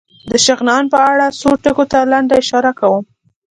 د شغنان په اړه څو ټکو ته لنډه اشاره کوم.